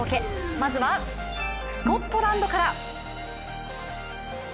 まずはスコットランドから。